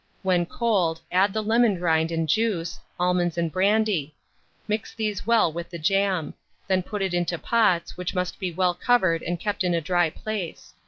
When cold, add the lemon rind and juice, almonds and brandy; mix these well with the jam; then put it into pots, which must be well covered and kept in a dry place.